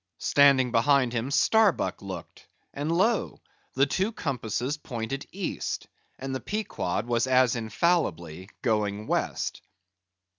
Standing behind him Starbuck looked, and lo! the two compasses pointed East, and the Pequod was as infallibly going West.